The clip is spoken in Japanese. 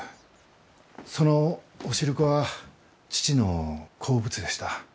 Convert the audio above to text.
そのお汁粉は父の好物でした。